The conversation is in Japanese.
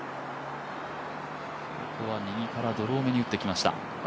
右からドロー目に打ってきました。